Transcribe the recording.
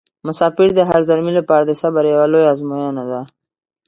مساپري د هر زلمي لپاره د صبر یوه لویه ازموینه ده.